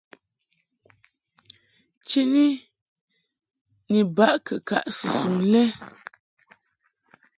Chini ni baʼ kɨkaʼ susuŋ lɛ.